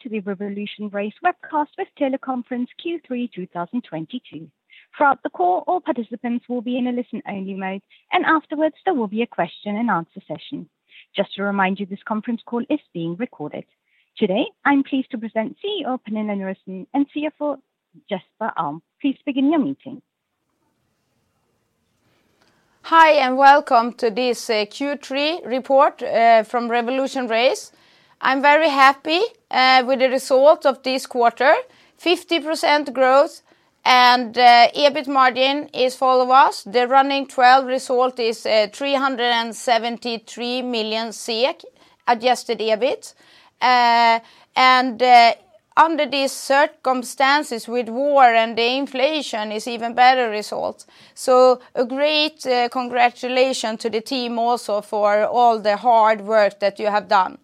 Welcome to the RevolutionRace webcast with teleconference Q3 2022. Throughout the call, all participants will be in a listen-only mode, and afterwards, there will be a question and answer session. Just to remind you, this conference call is being recorded. Today, I'm pleased to present CEO Pernilla Nyrensten and CFO Jesper Alm. Please begin your meeting. Hi, and welcome to this Q3 report from RevolutionRace. I'm very happy with the result of this quarter, 50% growth and EBIT margin is fabulous. The running 12 result is 373 million adjusted EBIT. Under these circumstances with war and inflation is even better results. A great congratulation to the team also for all the hard work that you have done.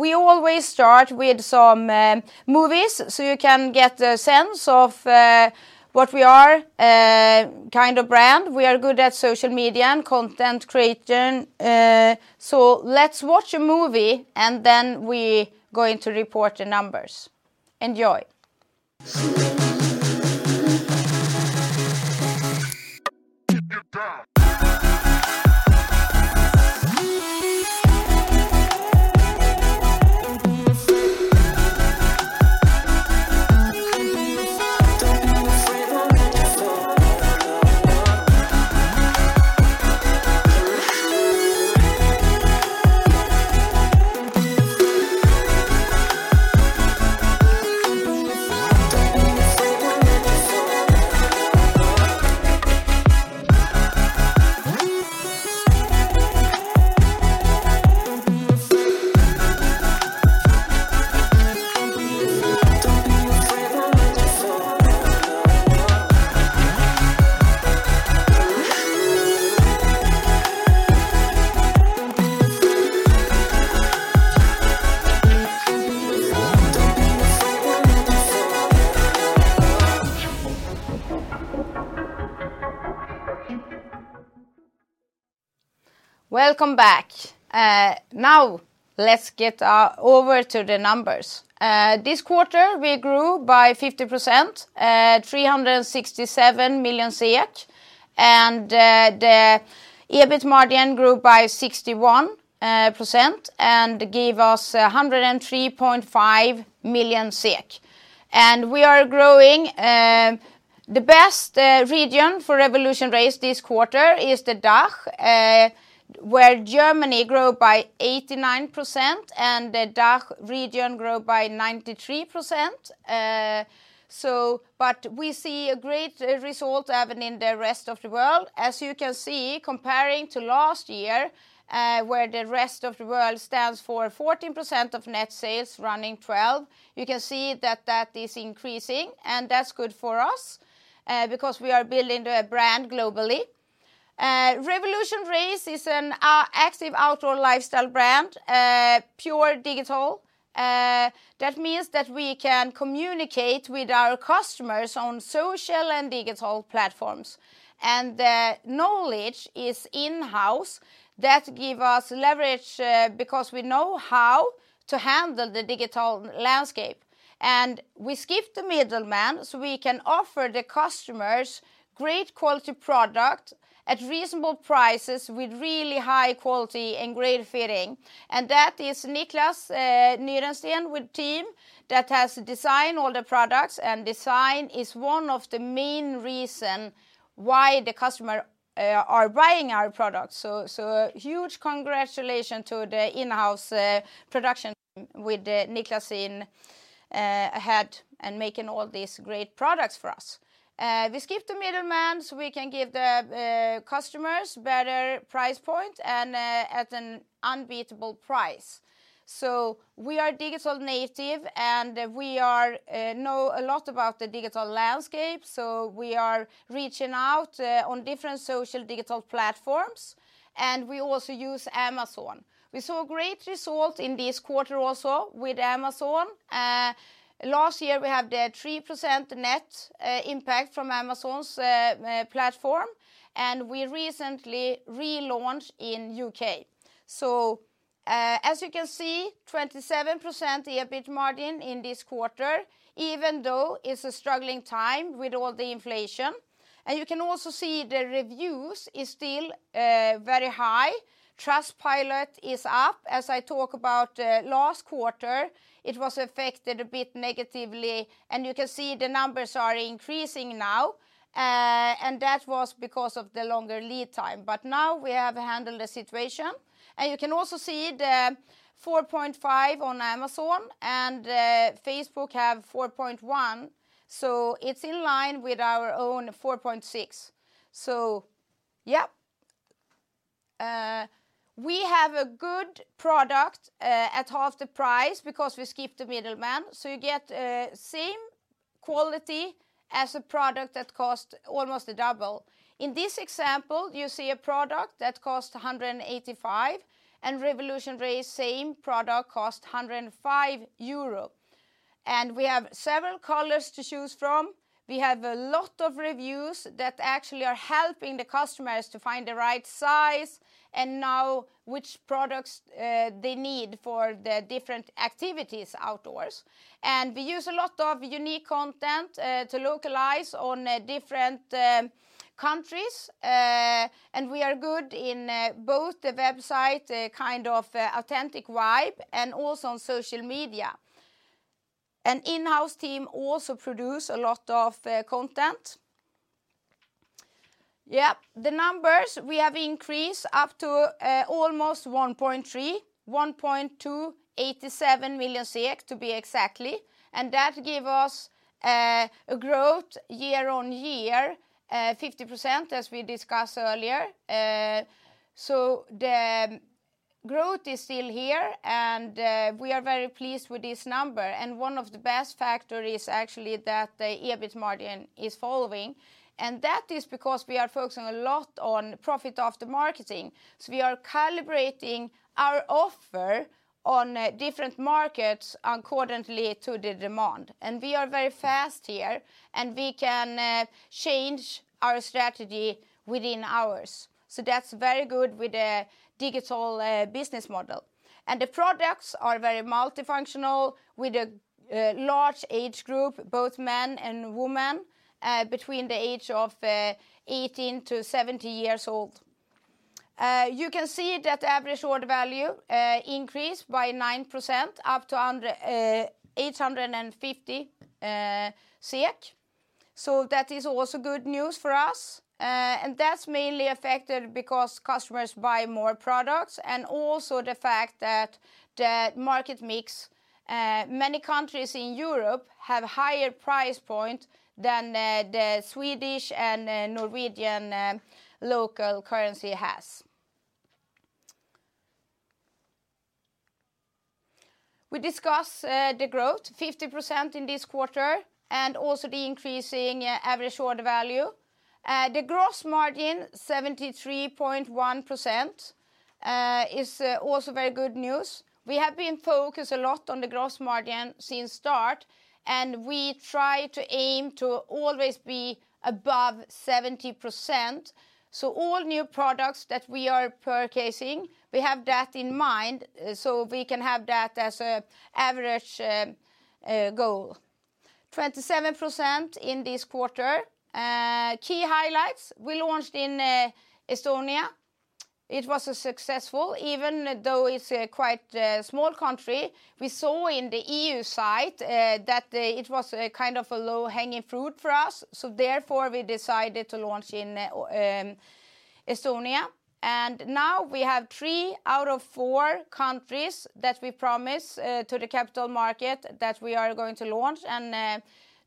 We always start with some movies, so you can get a sense of what kind of brand we are. We are good at social media and content creation, so let's watch a movie and then we going to report the numbers. Enjoy. Welcome back. Now let's get over to the numbers. This quarter we grew by 50%, 367 million and the EBIT margin grew by 61% and gave us 103.5 million SEK. We are growing. The best region for RevolutionRace this quarter is the DACH, where Germany grew by 89% and the DACH region grew by 93%. So but we see a great result even in the rest of the world. As you can see, comparing to last year, where the rest of the world stands for 14% of net sales running 12%, you can see that that is increasing and that's good for us, because we are building the brand globally. RevolutionRace is an active outdoor lifestyle brand, pure digital. That means that we can communicate with our customers on social and digital platforms and the knowledge is in-house that give us leverage, because we know how to handle the digital landscape. We skip the middleman so we can offer the customers great quality product at reasonable prices with really high quality and great fitting. That is Niclas Nyrensten with team that has designed all the products and design is one of the main reason why the customer are buying our products. A huge congratulation to the in-house production team with Niclas in head and making all these great products for us. We skip the middleman so we can give the customers better price point and at an unbeatable price. We are digital native and we know a lot about the digital landscape, so we are reaching out on different social digital platforms, and we also use Amazon. We saw great results in this quarter also with Amazon. Last year we have the 3% net impact from Amazon's platform, and we recently relaunched in U.K. As you can see, 27% EBIT margin in this quarter, even though it's a struggling time with all the inflation. You can also see the reviews is still very high. Trustpilot is up. As I talk about last quarter, it was affected a bit negatively and you can see the numbers are increasing now, and that was because of the longer lead time. Now we have handled the situation. You can also see the 4.5 on Amazon and Facebook have 4.1. It's in line with our own 4.6. Yeah. We have a good product at half the price because we skip the middleman so you get same quality as a product that cost EUR 185 and RevolutionRace same product cost 105 euro. We have several colors to choose from. We have a lot of reviews that actually are helping the customers to find the right size and know which products they need for the different activities outdoors. We use a lot of unique content to localize on different countries. We are good in both the website kind of authentic vibe, and also on social media. An in-house team also produce a lot of content. The numbers, we have increased up to almost 1.3, 1.287 million SEK to be exact, and that give us a growth year-on-year 50% as we discussed earlier. The growth is still here, and we are very pleased with this number. One of the best factor is actually that the EBIT margin is following, and that is because we are focusing a lot on profit after marketing. We are calibrating our offer on different markets accordingly to the demand. We are very fast here, and we can change our strategy within hours. That's very good with the digital business model. The products are very multifunctional with a large age group, both men and women, between the age of 18-70 years old. You can see that average order value increased by 9% up to 850 SEK, so that is also good news for us. That's mainly affected because customers buy more products and also the fact that the market mix, many countries in Europe have higher price point than the Swedish and Norwegian local currency has. We discuss the growth, 50% in this quarter and also the increasing average order value. The gross margin, 73.1%, is also very good news. We have been focused a lot on the gross margin since start, and we try to aim to always be above 70%. All new products that we are purchasing, we have that in mind, so we can have that as an average goal. 27% in this quarter. Key highlights, we launched in Estonia. It was successful, even though it's a quite small country, we saw in the EU site that it was a kind of a low-hanging fruit for us, so therefore we decided to launch in Estonia.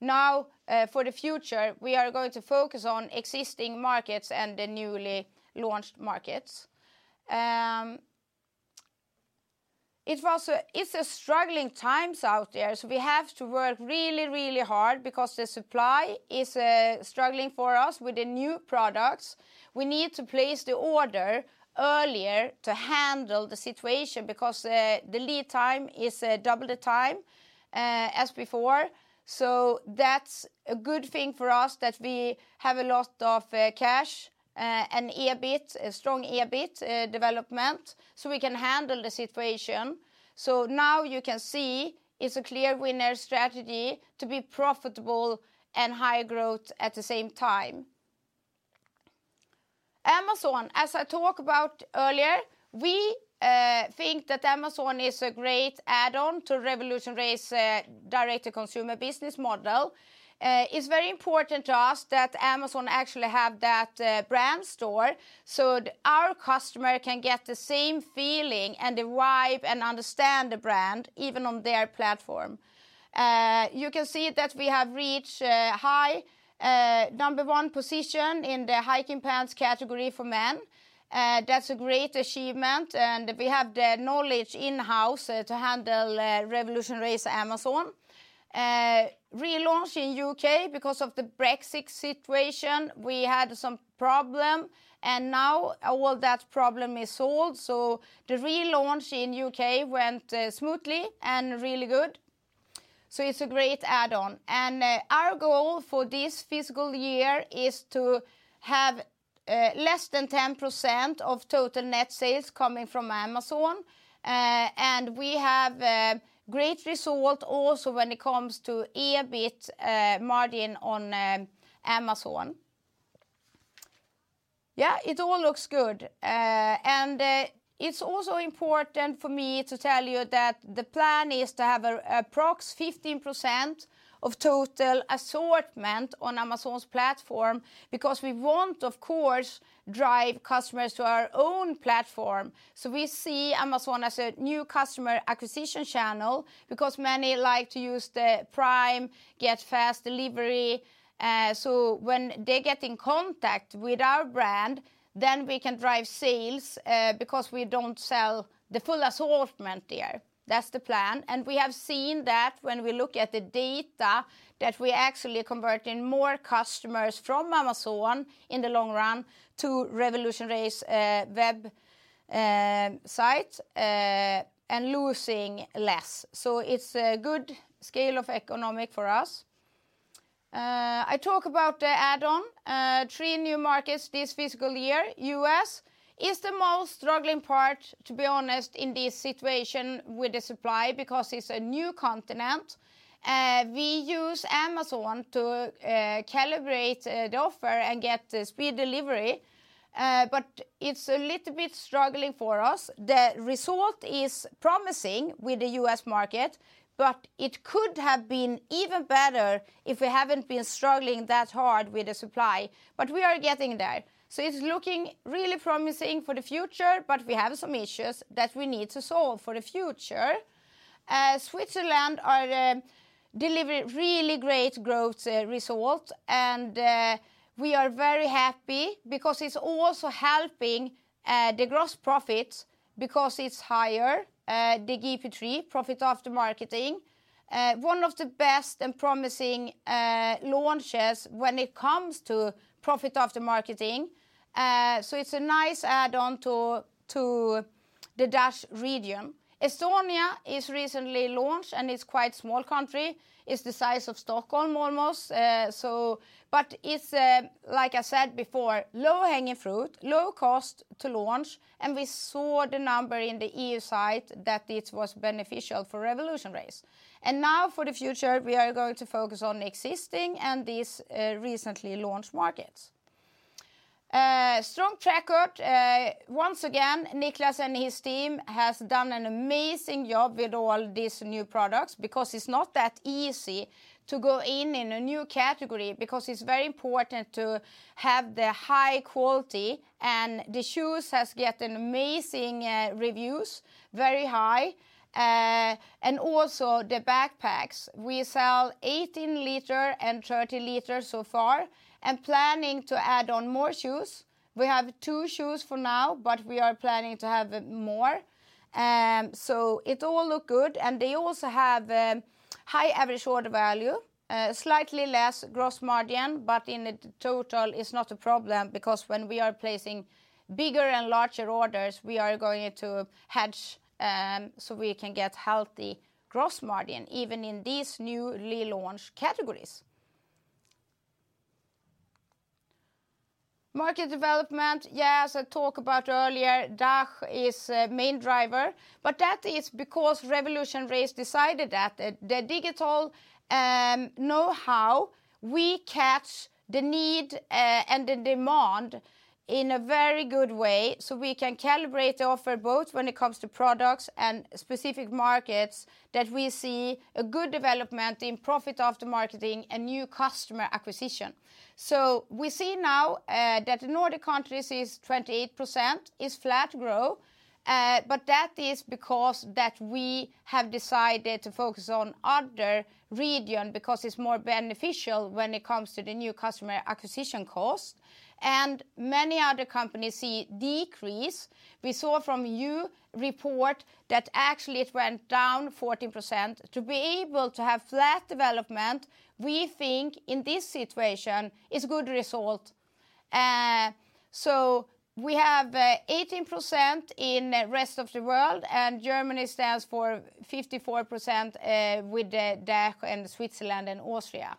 Now, for the future, we are going to focus on existing markets and the newly launched markets. It was a. It's a struggling times out there, so we have to work really, really hard because the supply is struggling for us with the new products. We need to place the order earlier to handle the situation because the lead time is double the time as before. That's a good thing for us that we have a lot of cash and EBIT, a strong EBIT development so we can handle the situation. Now you can see it's a clear winner strategy to be profitable and high growth at the same time. Amazon, as I talk about earlier, we think that Amazon is a great add-on to RevolutionRace direct-to-consumer business model. It's very important to us that Amazon actually have that brand store so our customer can get the same feeling and the vibe and understand the brand even on their platform. You can see that we have reached high number one position in the hiking pants category for men. That's a great achievement, and we have the knowledge in-house to handle RevolutionRace Amazon. Relaunch in U.K., because of the Brexit situation, we had some problem, and now all that problem is solved. The relaunch in U.K. went smoothly and really good, so it's a great add-on. Our goal for this fiscal year is to have less than 10% of total net sales coming from Amazon. We have a great result also when it comes to EBIT margin on Amazon. Yeah, it all looks good. It's also important for me to tell you that the plan is to have approx 15% of total assortment on Amazon's platform because we want, of course, drive customers to our own platform. We see Amazon as a new customer acquisition channel because many like to use the Prime, get fast delivery, so when they get in contact with our brand, then we can drive sales, because we don't sell the full assortment there. That's the plan. We have seen that when we look at the data that we're actually converting more customers from Amazon in the long run to RevolutionRace website, and losing less. It's a good economies of scale for us. I talk about the addition of three new markets this fiscal year. U.S. is the most struggling part, to be honest, in this situation with the supply because it's a new continent. We use Amazon to calibrate the offer and get the speedy delivery. It's a little bit struggling for us. The result is promising with the US market, but it could have been even better if we haven't been struggling that hard with the supply, but we are getting there. It's looking really promising for the future, but we have some issues that we need to solve for the future. Switzerland is delivering really great growth results and we are very happy because it's also helping the gross profits because it's higher, the PAM, profit after marketing. One of the best and promising launches when it comes to profit after marketing. It's a nice add-on to the DACH region. Estonia is recently launched, and it's quite small country. It's the size of Stockholm almost. Like I said before, low-hanging fruit, low cost to launch, and we saw the number in the Trustpilot that it was beneficial for RevolutionRace. Now for the future, we are going to focus on existing and these recently launched markets. Strong track record, once again, Niklas and his team has done an amazing job with all these new products because it's not that easy to go in a new category because it's very important to have the high quality, and the shoes has get amazing reviews, very high. Also the backpacks. We sell 18-liter and 30-liter so far and planning to add on more shoes. We have two shoes for now, but we are planning to have more. It all looks good, and they also have high average order value, slightly less gross margin, but in the total it's not a problem because when we are placing bigger and larger orders, we are going to hedge, so we can get healthy gross margin even in these newly launched categories. Market development, yes, I talked about earlier. DACH is a main driver, but that is because RevolutionRace decided that the digital know-how we catch the need and the demand in a very good way so we can calibrate the offer both when it comes to products and specific markets that we see a good development in profit after marketing and new customer acquisition. We see now that Nordic countries is 28%, is flat growth, but that is because that we have decided to focus on other region because it's more beneficial when it comes to the new customer acquisition cost. Many other companies see decrease. We saw from HUI report that actually it went down 14%. To be able to have flat development, we think in this situation is good result. We have 18% in rest of the world, and Germany stands for 54%, with the DACH and Switzerland and Austria.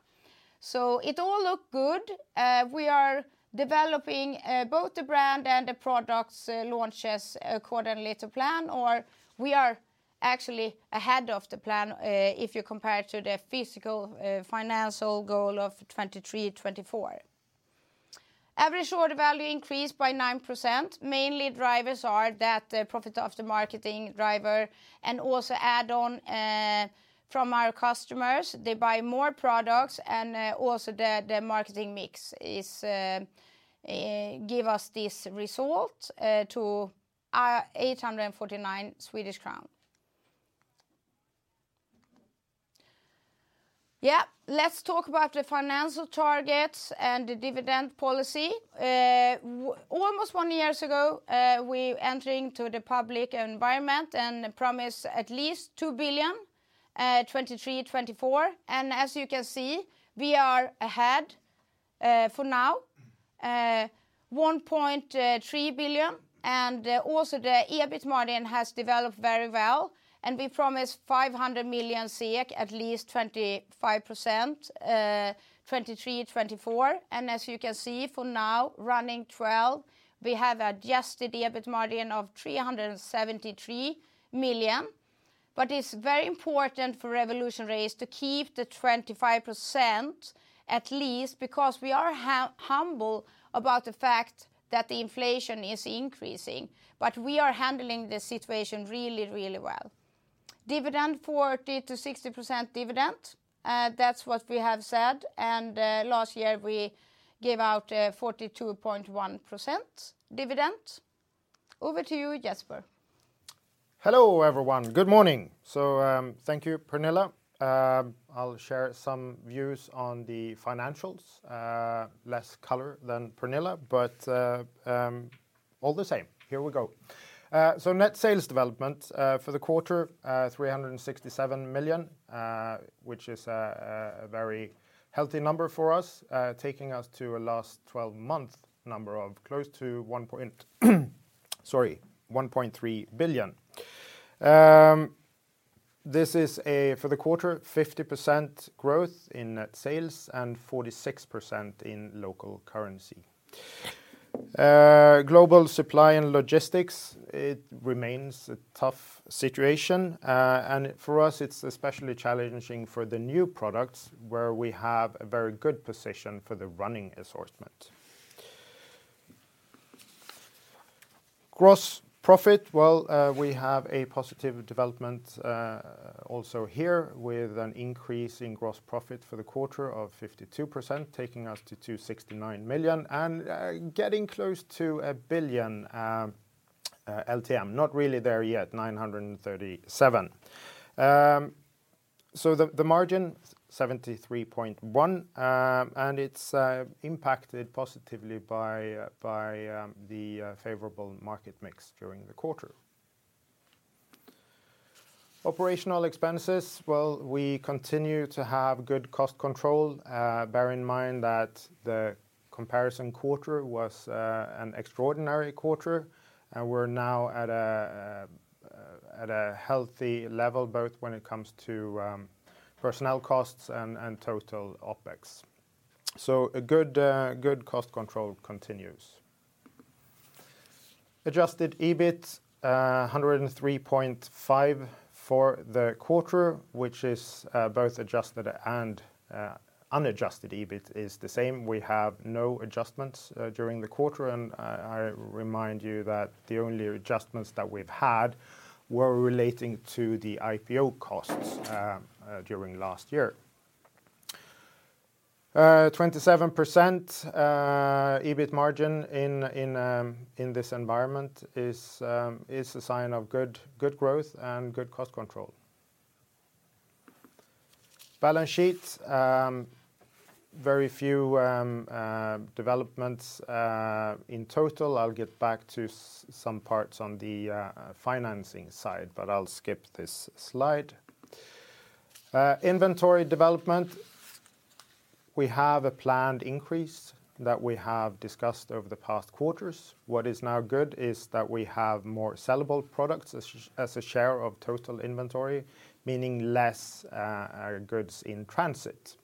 It all look good. We are developing both the brand and the products launches according to plan or we are actually ahead of the plan, if you compare to the fiscal financial goal of 2023, 2024. Average order value increased by 9%. Mainly drivers are that profit after marketing driver and also add-on from our customers. They buy more products and also the marketing mix gives us this result to 849 SEK. Yeah, let's talk about the financial targets and the dividend policy. Almost one year ago, we entered the public environment and promised at least 2 billion, 2023, 2024. As you can see, we are ahead for now, 1.3 billion. Also the EBIT margin has developed very well, and we promised 500 million SEK, at least 25%, 2023, 2024. As you can see for now, LTM, we have adjusted EBIT of 373 million. It's very important for RevolutionRace to keep the 25% at least because we are humble about the fact that the inflation is increasing, but we are handling the situation really, really well. Dividend, 40%-60% dividend, that's what we have said, and, last year, we gave out a 42.1% dividend. Over to you, Jesper. Hello, everyone. Good morning. Thank you, Pernilla. I'll share some views on the financials, less color than Pernilla, but, all the same. Here we go. Net sales development for the quarter, 367 million, which is a very healthy number for us, taking us to a last 12-month number of close to 1.3, sorry, SEK 1.3 billion. This is for the quarter, 50% growth in net sales and 46% in local currency. Global supply and logistics, it remains a tough situation. For us it's especially challenging for the new products where we have a very good position for the running assortment. Gross profit, we have a positive development, also here with an increase in gross profit for the quarter of 52%, taking us to 269 million and getting close to a billion LTM. Not really there yet, 937 million. So the margin 73.1%, and it's impacted positively by the favorable market mix during the quarter. Operational expenses, we continue to have good cost control. Bear in mind that the comparison quarter was an extraordinary quarter, and we're now at a healthy level both when it comes to personnel costs and total OPEX. A good cost control continues. Adjusted EBIT, 103.5 for the quarter, which is, both adjusted and unadjusted EBIT is the same. We have no adjustments during the quarter, and I remind you that the only adjustments that we've had were relating to the IPO costs during last year. 27% EBIT margin in this environment is a sign of good growth and good cost control. Balance sheet, very few developments in total. I'll get back to some parts on the financing side, but I'll skip this slide. Inventory development, we have a planned increase that we have discussed over the past quarters. What is now good is that we have more sellable products as a share of total inventory, meaning less goods in transit.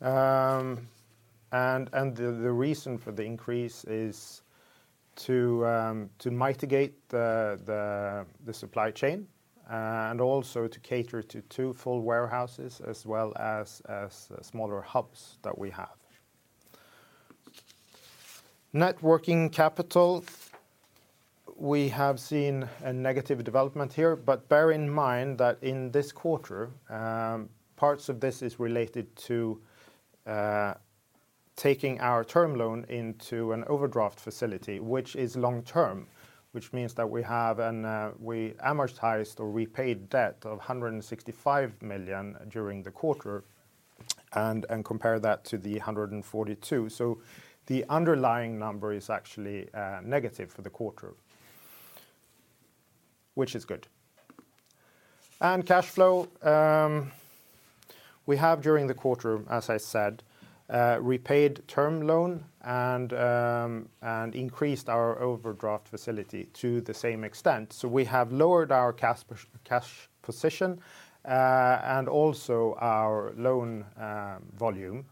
The reason for the increase is to mitigate the supply chain and also to cater to two full warehouses as well as smaller hubs that we have. Net working capital, we have seen a negative development here, but bear in mind that in this quarter, parts of this is related to taking our term loan into an overdraft facility, which is long-term, which means that we amortized or repaid debt of 165 million during the quarter and compare that to the 142. The underlying number is actually negative for the quarter, which is good. Cash flow, we have during the quarter, as I said, repaid term loan and increased our overdraft facility to the same extent. We have lowered our cash position and also our loan volume.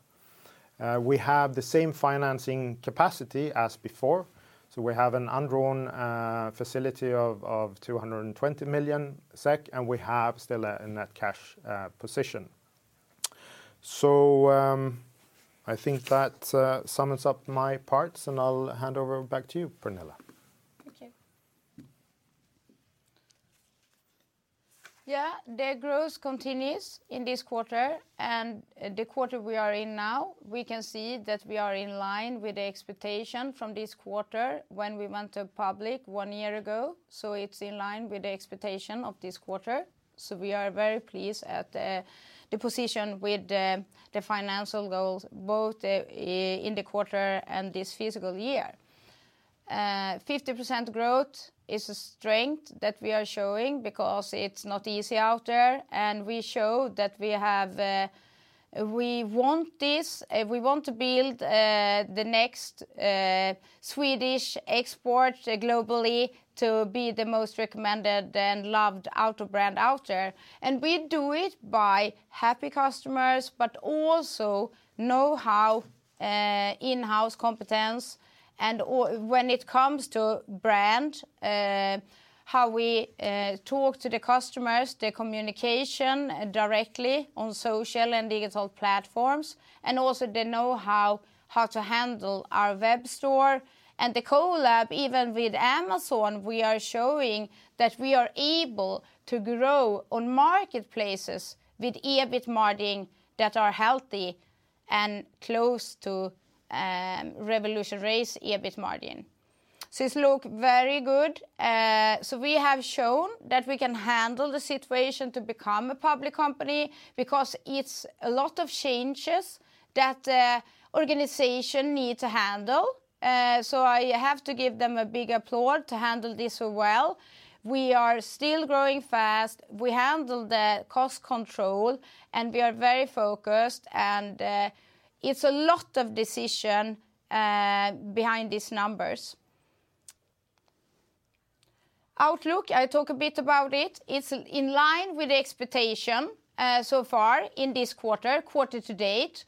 We have the same financing capacity as before, so we have an undrawn facility of 220 million SEK, and we have still a net cash position. I think that sums up my parts, and I'll hand over back to you, Pernilla. Okay. Yeah, the growth continues in this quarter, and the quarter we are in now, we can see that we are in line with the expectation from this quarter when we went public one year ago. It's in line with the expectation of this quarter. We are very pleased at the position with the financial goals, both in the quarter and this fiscal year. 50% growth is a strength that we are showing because it's not easy out there, and we show that we have, we want this, we want to build the next Swedish export globally to be the most recommended and loved outdoor brand out there. We do it by happy customers, but also know-how, in-house competence, and when it comes to brand, how we talk to the customers, the communication directly on social and digital platforms, and also the know-how, how to handle our web store. The collaboration, even with Amazon, we are showing that we are able to grow on marketplaces with EBIT margin that are healthy and close to RevolutionRace EBIT margin. It look very good. We have shown that we can handle the situation to become a public company because it's a lot of changes that organization need to handle. I have to give them a big applause to handle this so well. We are still growing fast. We handle the cost control, and we are very focused, and it's a lot of decision behind these numbers. Outlook, I talk a bit about it. It's in line with the expectation so far in this quarter to date.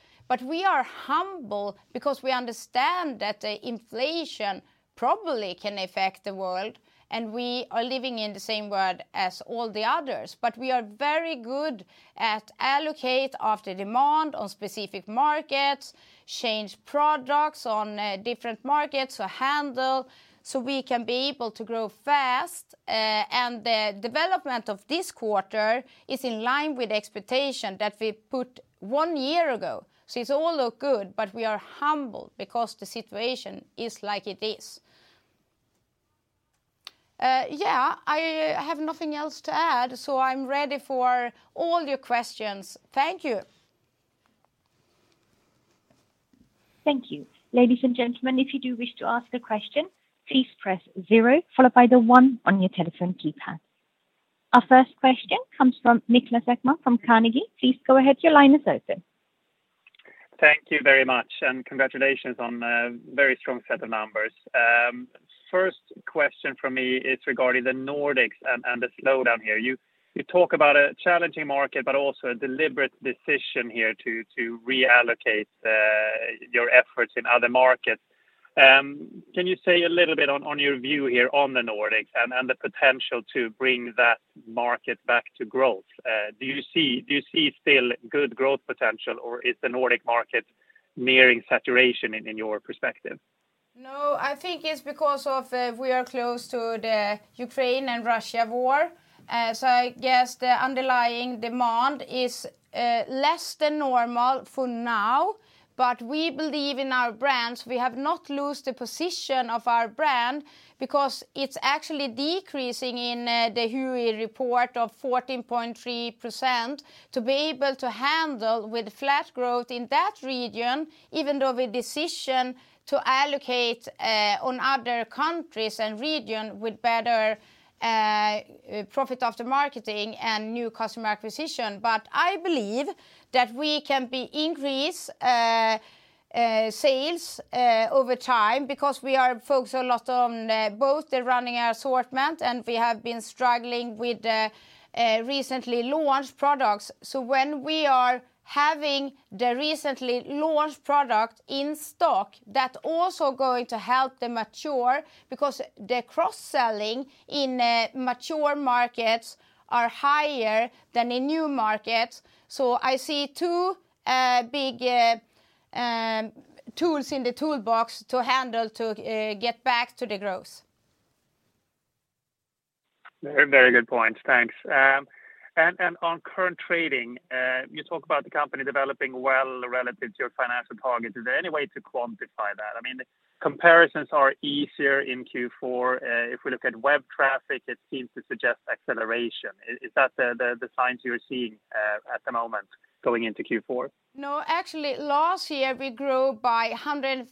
We are humble because we understand that the inflation probably can affect the world, and we are living in the same world as all the others. We are very good at allocate after demand on specific markets, change products on different markets to handle, so we can be able to grow fast. The development of this quarter is in line with the expectation that we put one year ago. It all look good, but we are humble because the situation is like it is. Yeah, I have nothing else to add, so I'm ready for all your questions. Thank you. Thank you. Ladies and gentlemen, if you do wish to ask a question, please press zero followed by the one on your telephone keypad. Our first question comes from Niklas Ekman, from Carnegie. Please go ahead. Your line is open. Thank you very much, and congratulations on a very strong set of numbers. First question from me is regarding the Nordics and the slowdown here. You talk about a challenging market, but also a deliberate decision here to reallocate your efforts in other markets. Can you say a little bit on your view here on the Nordics and the potential to bring that market back to growth? Do you see still good growth potential, or is the Nordic market nearing saturation in your perspective? No, I think it's because we are close to the Ukraine and Russia war. I guess the underlying demand is less than normal for now. We believe in our brands, we have not lose the position of our brand because it's actually decreasing in the HUI report of 14.3% to be able to handle with flat growth in that region, even though the decision to allocate on other countries and region with better profit after marketing and new customer acquisition. I believe that we can increase sales over time because we are focused a lot on both the running assortment, and we have been struggling with the recently launched products. When we are having the recently launched product in stock, that also going to help them mature because the cross-selling in mature markets are higher than in new markets. I see two big tools in the toolbox to handle to get back to the growth. Very, very good points. Thanks. On current trading, you talk about the company developing well relative to your financial target. Is there any way to quantify that? I mean, comparisons are easier in Q4. If we look at web traffic, it seems to suggest acceleration. Is that the signs you're seeing at the moment going into Q4? No. Actually, last year we grew by 152%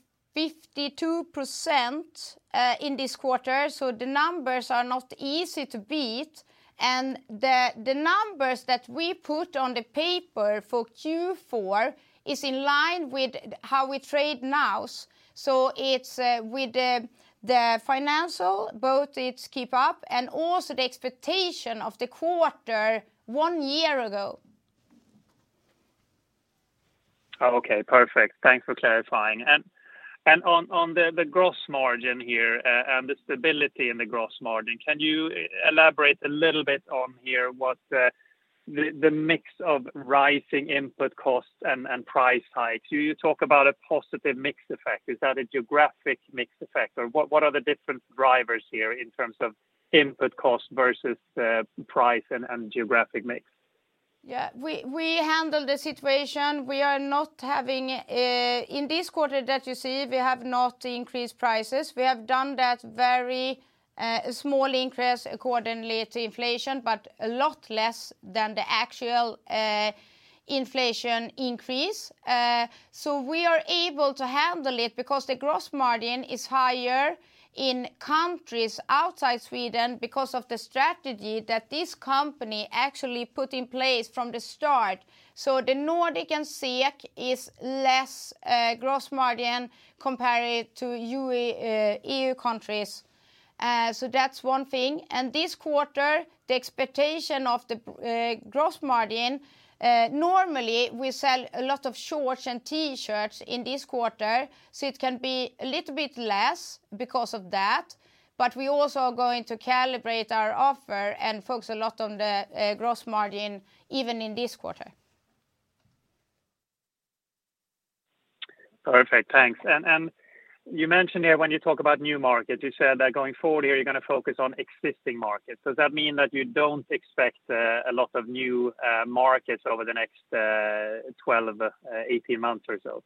in this quarter, so the numbers are not easy to beat. The numbers that we put on the paper for Q4 is in line with how we trade now. It's with the financials, both it's keep up and also the expectation of the quarter one year ago. Oh, okay. Perfect. Thanks for clarifying. On the gross margin here, and the stability in the gross margin, can you elaborate a little bit here on what the mix of rising input costs and price hikes? You talk about a positive mix effect. Is that a geographic mix effect? Or what are the different drivers here in terms of input cost versus price and geographic mix? Yeah. We handle the situation. We are not having in this quarter that you see, we have not increased prices. We have done that very small increase accordingly to inflation, but a lot less than the actual inflation increase. We are able to handle it because the gross margin is higher in countries outside Sweden because of the strategy that this company actually put in place from the start. The Nordic and SEK is less gross margin compared to U.K. EU countries. That's one thing. This quarter, the expectation of the gross margin. Normally we sell a lot of shorts and T-shirts in this quarter, so it can be a little bit less because of that. We also are going to calibrate our offer and focus a lot on the gross margin, even in this quarter. Perfect. Thanks. You mentioned here when you talk about new markets, you said that going forward here you're gonna focus on existing markets. Does that mean that you don't expect a lot of new markets over the next 12-18 months or so?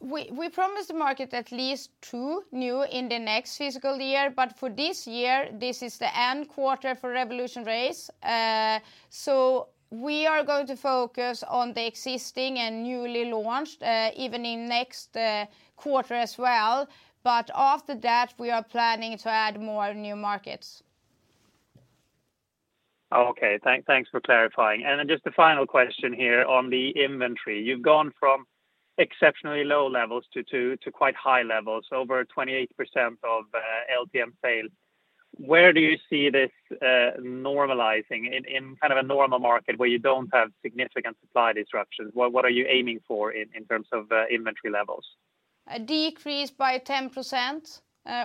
We promised the market at least two new in the next fiscal year, but for this year, this is the end quarter for RevolutionRace. We are going to focus on the existing and newly launched even in the next quarter as well. After that, we are planning to add more new markets. Okay. Thanks for clarifying. Just the final question here on the inventory. You've gone from exceptionally low levels to quite high levels, over 28% of LTM sales. Where do you see this normalizing in kind of a normal market where you don't have significant supply disruptions? What are you aiming for in terms of inventory levels? A decrease by 10%,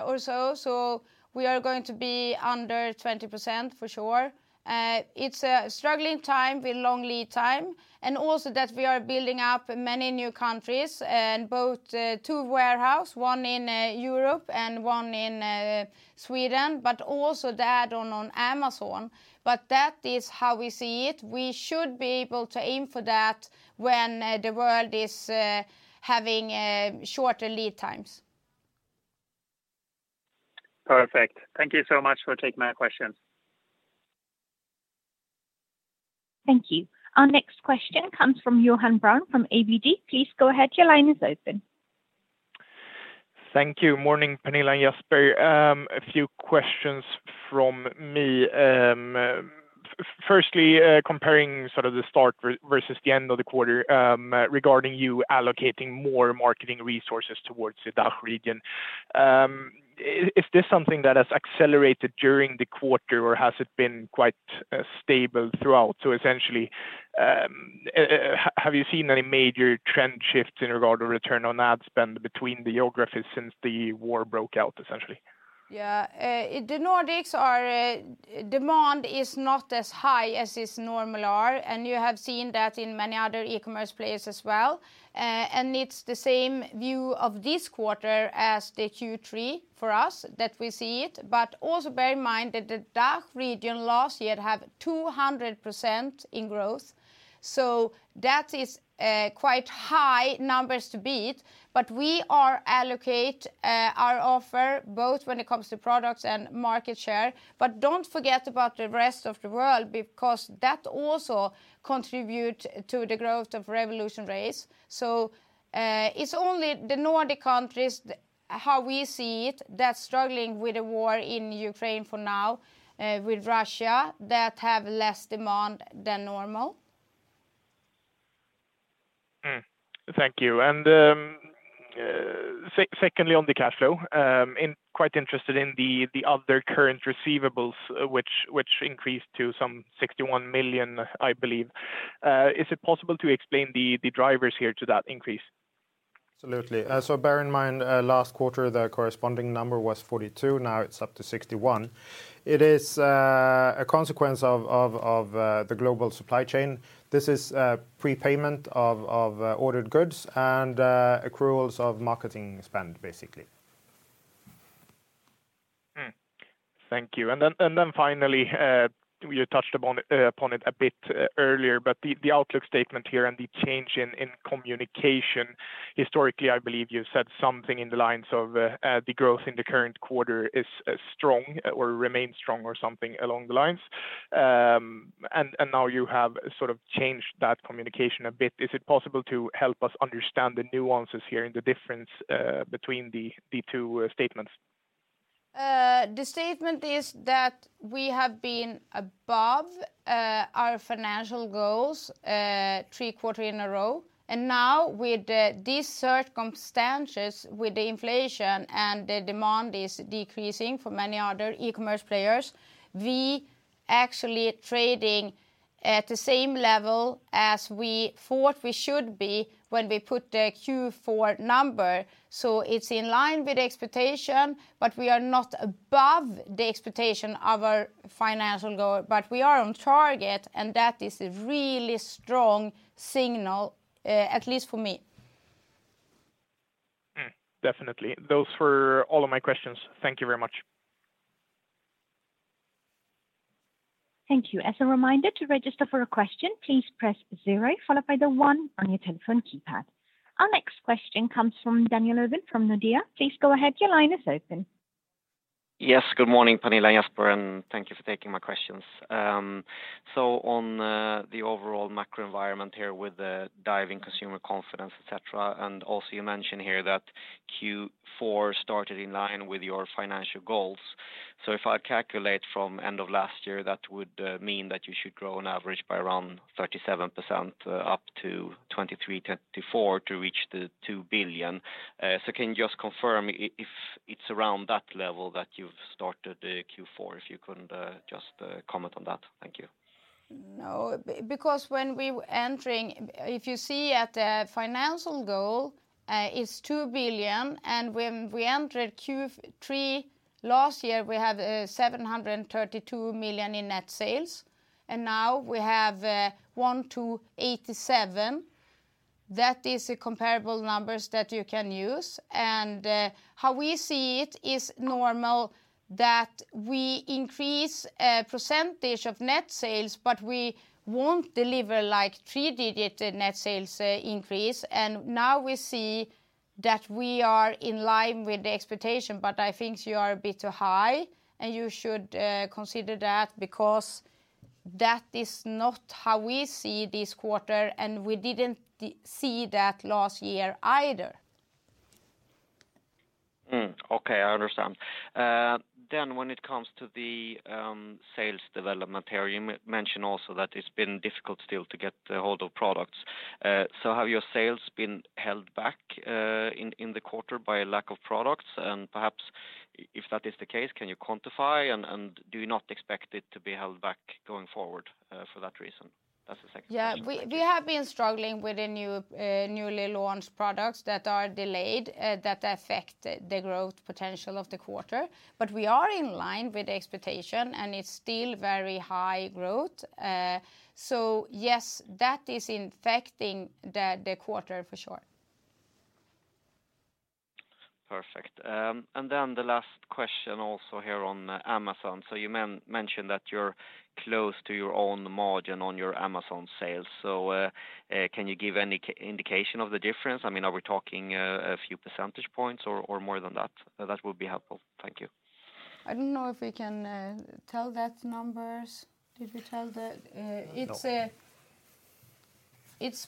or so we are going to be under 20% for sure. It's a struggling time with long lead time, and also that we are building up many new countries and both two warehouses, one in Europe and one in Sweden, but also the add-on on Amazon. That is how we see it. We should be able to aim for that when the world is having shorter lead times. Perfect. Thank you so much for taking my questions. Thank you. Our next question comes from Johan Brown from ABG. Please go ahead. Your line is open. Thank you. Morning, Pernilla and Jesper. A few questions from me. Firstly, comparing sort of the start versus the end of the quarter, regarding you allocating more marketing resources towards the DACH region. Is this something that has accelerated during the quarter, or has it been quite stable throughout? Essentially, have you seen any major trend shifts in regard of return on ad spend between the geographies since the war broke out, essentially? Yeah. In the Nordics, our demand is not as high as its normal are, and you have seen that in many other e-commerce players as well. It's the same view of this quarter as the Q3 for us that we see it. Also bear in mind that the DACH region last year had 200% in growth, so that is quite high numbers to beat. We are allocating our offer both when it comes to products and market share. Don't forget about the rest of the world because that also contribute to the growth of RevolutionRace. It's only the Nordic countries, how we see it, that's struggling with the war in Ukraine for now, with Russia, that have less demand than normal. Thank you. Secondly, on the cash flow, quite interested in the other current receivables which increased to some 61 million, I believe. Is it possible to explain the drivers here to that increase? Absolutely. Bear in mind, last quarter, the corresponding number was 42. Now it's up to 61. It is a consequence of the global supply chain. This is prepayment of ordered goods and accruals of marketing spend, basically. Thank you. Finally, you touched upon it a bit earlier, but the outlook statement here and the change in communication. Historically, I believe you said something along the lines of the growth in the current quarter is strong or remains strong, or something along the lines. Now you have sort of changed that communication a bit. Is it possible to help us understand the nuances here and the difference between the two statements? The statement is that we have been above our financial goals three quarters in a row. Now with these circumstances, with the inflation and the demand is decreasing for many other e-commerce players, we actually trading at the same level as we thought we should be when we put the Q4 number. It's in line with expectation, but we are not above the expectation of our financial goal. We are on target, and that is a really strong signal at least for me. Definitely. Those were all of my questions. Thank you very much. Thank you. As a reminder, to register for a question, please press zero followed by the one on your telephone keypad. Our next question comes from Daniel Irvin from UBS. Please go ahead. Your line is open. Yes. Good morning, Pernilla and Jesper, and thank you for taking my questions. On the overall macro environment here with the declining consumer confidence, et cetera, and also you mentioned here that Q4 started in line with your financial goals. If I calculate from end of last year, that would mean that you should grow on average by around 37% up to 2023-2034 to reach the 2 billion. Can you just confirm if it's around that level that you've started Q4, if you could just comment on that? Thank you. No, because when we entered. If you see the financial goal, it's 2 billion, and when we entered Q3 last year, we had 732 million in net sales, and now we have 187 million. That is the comparable numbers that you can use. How we see it is normal that we increase a percentage of net sales, but we won't deliver like three-digit net sales increase. Now we see that we are in line with the expectation, but I think you are a bit high, and you should consider that because that is not how we see this quarter, and we didn't see that last year either. Okay, I understand. When it comes to the sales development area, you mention also that it's been difficult still to get a hold of products. So have your sales been held back in the quarter by a lack of products? And perhaps if that is the case, can you quantify, and do you not expect it to be held back going forward for that reason? That's the second question, thank you. Yeah. We have been struggling with the new, newly launched products that are delayed that affect the growth potential of the quarter. We are in line with the expectation, and it's still very high growth. Yes, that is affecting the quarter for sure. Perfect. Then the last question also here on Amazon. You mentioned that you're close to your own margin on your Amazon sales. Can you give any indication of the difference? I mean, are we talking a few percentage points or more than that? That will be helpful. Thank you. I don't know if we can tell that numbers. Did we tell the No. It's a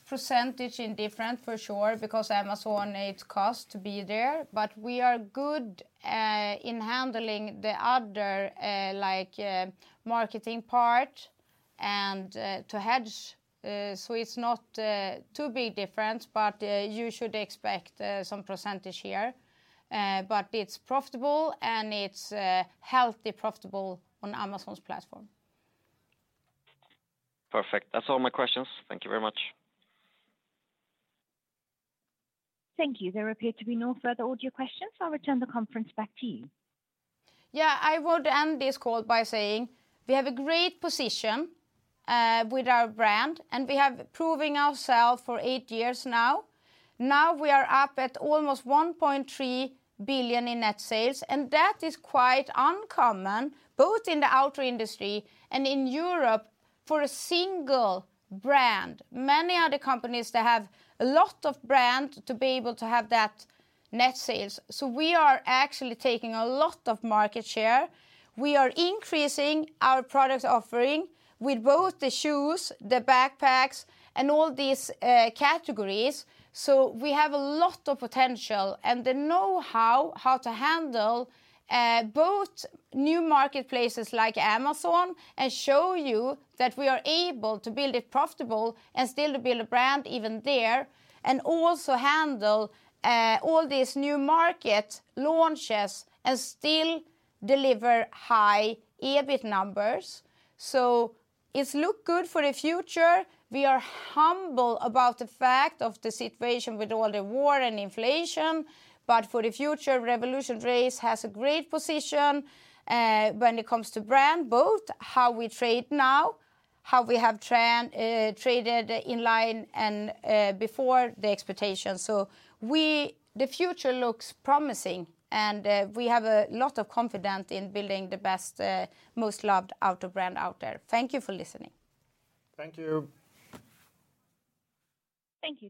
percentage difference for sure because Amazon, it costs to be there. We are good in handling the other, like, marketing part and to hedge. It's not too big difference, but you should expect some percentage here. It's profitable and it's healthily profitable on Amazon's platform. Perfect. That's all my questions. Thank you very much. Thank you. There appear to be no further audio questions. I'll return the conference back to you. Yeah. I would end this call by saying we have a great position with our brand, and we have proving ourself for eight years now. Now we are up at almost 1.3 billion in net sales, and that is quite uncommon both in the outdoor industry and in Europe for a single brand. Many other companies that have a lot of brand to be able to have that net sales. We are actually taking a lot of market share. We are increasing our product offering with both the shoes, the backpacks, and all these categories. We have a lot of potential and the know-how, how to handle both new marketplaces like Amazon and show you that we are able to build it profitable and still to build a brand even there, and also handle all these new market launches and still deliver high EBIT numbers. It looks good for the future. We are humble about the fact of the situation with all the war and inflation. For the future, RevolutionRace has a great position when it comes to brand, both how we trade now, how we have traded in line and ahead of expectations. The future looks promising and we have a lot of confidence in building the best most loved outdoor brand out there. Thank you for listening. Thank you. Thank you.